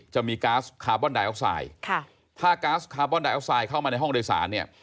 ก๊าซคาร์บอนไดออกไซด์ค่ะถ้าก๊าซคาร์บอนไดออกไซด์เข้ามาในห้องโดยสารเนี่ย